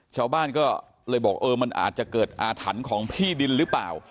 ชาวบ้านก็เลยบอกเออมันอาจจะเกิดอาถรรพ์ของพี่ดินหรือเปล่า